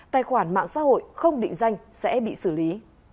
tài khoản mạng xã hội không định danh sẽ bị xử lý